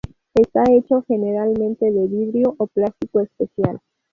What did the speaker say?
Está hecho generalmente de vidrio o plástico especial.